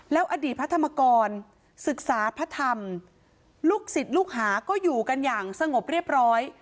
แล้วอดีตพระธรรมกรศึกษาพระธรรมลูกศิษย์ลูกหาก็อยู่กันอย่างสงบเรียบร้อย